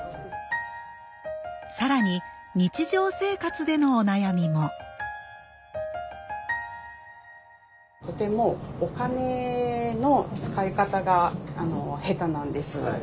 更に日常生活でのお悩みもとてもお金の使い方が下手なんです。